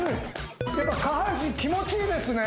下半身気持ちいいですね